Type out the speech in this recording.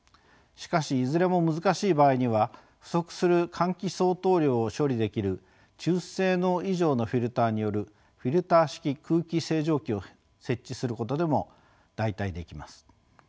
しかしいずれも難しい場合には不足する換気相当量を処理できる中性能以上のフィルターによるフィルター式空気清浄機を設置することでも代替できます。